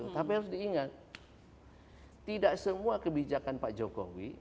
tapi harus diingat tidak semua kebijakan pak jokowi